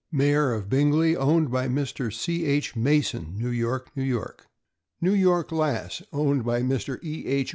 Mayor of Bingley, owned by Mr. C. H. Mason, New York, N. Y.; New York Lass, owned by Mr. E. H.